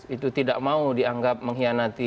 itu tidak mau dianggap mengkhianati